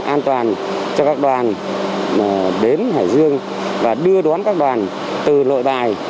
an toàn cho các đoàn đến hải dương và đưa đón các đoàn từ nội bài